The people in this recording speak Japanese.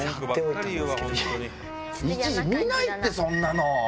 いちいち見ないって、そんなの。